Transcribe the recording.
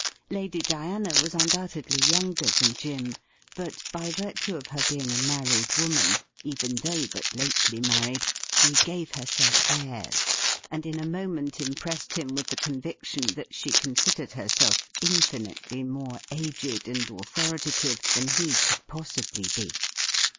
Lady Diana was undoubtedly younga* than Jim, but by virtue of her being a married woman, even though but lately married, she gave herself airs, and in a moment impressed him with the conviction that she considered herself in finitely more aged and authoritative than he could possibly be.